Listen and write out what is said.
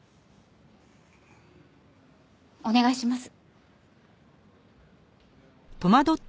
お願いします。